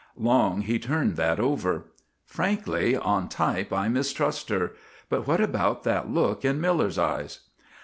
Long he turned that over. "Frankly, on type I mistrust her; but what about that look in Miller's eyes?"